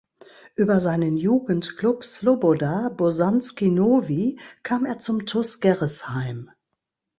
Über seinen Jugendclub Sloboda Bosanski Novi kam er zum TuS Gerresheim.